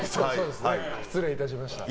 失礼いたしました。